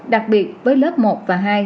đặc biệt với lớp một và hai